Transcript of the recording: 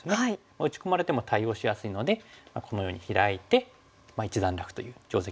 打ち込まれても対応しやすいのでこのようにヒラいてまあ一段落という定石があるんですよね。